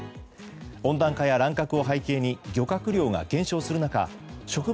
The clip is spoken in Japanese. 温暖化や乱獲を背景に漁獲量が減少する中植物